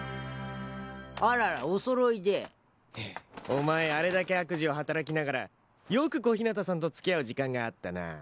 お前あれだけ悪事を働きながらよく小日向さんと付き合う時間があったな。